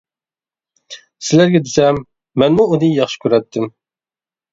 سىلەرگە دېسەم مەنمۇ ئۇنى ياخشى كۆرەتتىم.